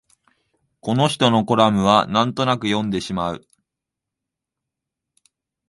この人のコラムはなんとなく読んでしまう